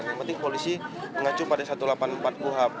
yang penting polisi mengacu pada satu ratus delapan puluh empat kuhap